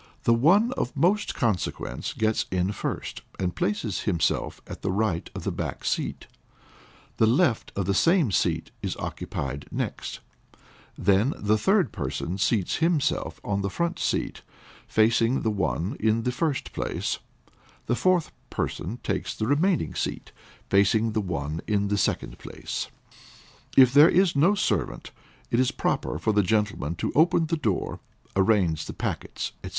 The one of most consequence gets in first, and places himself at the right of the back seat; the left of the same seat is occupied next; then, the third person seats himself on the front seat, facing the one in the first place; the fourth person takes the remaining seat, facing the one in the second place. If there is no servant, it is proper for the gentlemen to open the door, arrange the packets, &c.